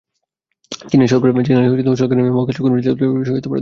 চীনের সরকারি মহাকাশ কর্মসূচির আওতায় আগেও দুটি অনুসন্ধানী নভোযান চাঁদে পাঠানো হয়েছিল।